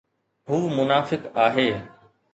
هو منافق آهي